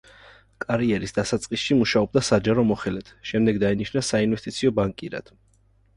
კარიერის დასაწყისში, მუშაობდა საჯარო მოხელედ, შემდეგ დაინიშნა საინვესტიციო ბანკირად.